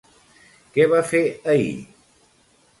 Què va fer ahir?